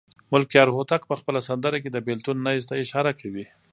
ملکیار هوتک په خپله سندره کې د بېلتون نیز ته اشاره کوي.